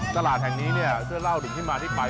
ตลาดแห่งนี้เคาะเล่าถึงที่มาที่ไป